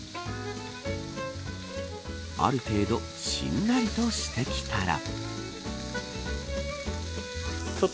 ある程度しんなりとしてきたら。